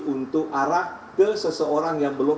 untuk arah ke seseorang yang belum